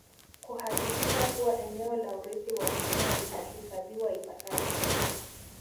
Kuhakikisha kuwa eneo la urithi wa dunia linahifadhiwa ipasavyo